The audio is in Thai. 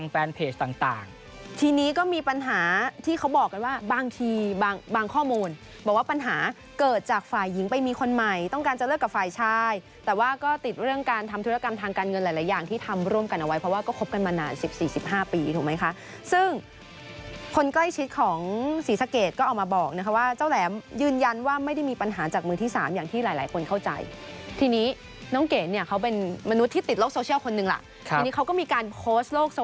แฟนเพจต่างทีนี้ก็มีปัญหาที่เขาบอกกันว่าบางทีบางข้อมูลบอกว่าปัญหาเกิดจากฝ่ายหญิงไปมีคนใหม่ต้องการจะเลือกกับฝ่ายชายแต่ว่าก็ติดเรื่องการทำธุรกรรมทางการเงินหลายอย่างที่ทำร่วมกันเอาไว้เพราะว่าก็คบกันมานานสิบสี่สิบห้าปีถูกไหมคะซึ่งคนใกล้ชิดของศรีสะเกตก็เอามาบอก